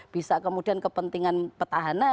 bisa kemudian kepentingan petahanan